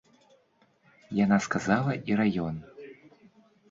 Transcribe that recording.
Яна сказала і раён.